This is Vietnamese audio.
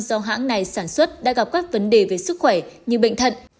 do hãng này sản xuất đã gặp các vấn đề về sức khỏe như bệnh thận